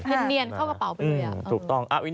เป็นเนียนเข้ากระเป๋าไปเลยอะเออถูกต้อง